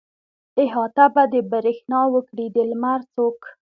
احاطه به د برېښنا وکړي د لمر څوک.